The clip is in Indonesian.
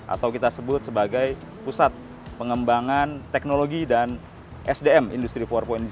atau kita sebut sebagai pusat pengembangan teknologi dan sdm industri empat